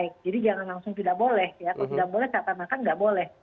kalau tidak boleh siapa makan tidak boleh